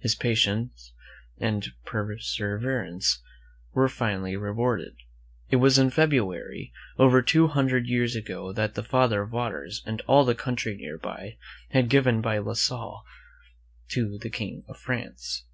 His patience and persever ance were finally rewarded. It was in February, over two hundred years ago, that the Father of Waters and all the country nearby was given by La Salle to the King of France.